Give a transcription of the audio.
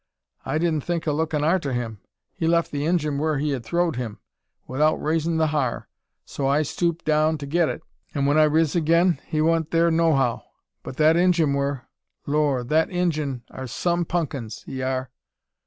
I didn't think o' lookin' arter him. He left the Injun whur he had throw'd him, 'ithout raisin' the har; so I stooped down to git it; an' when I riz agin, he wa'n't thur no how. But that Injun wur. Lor'! that Injun are some punkins; he are."